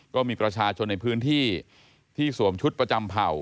ก็มีประชาชนในพื้นที่ที่สวมชุดประจำเผ่า